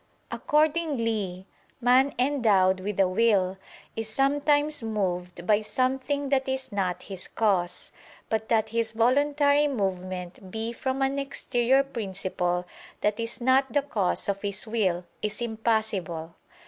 Accordingly man endowed with a will is sometimes moved by something that is not his cause; but that his voluntary movement be from an exterior principle that is not the cause of his will, is impossible.